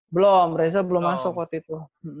belum reza belum masuk waktu itu